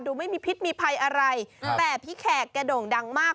ไม่มีพิษมีภัยอะไรแต่พี่แขกแกโด่งดังมาก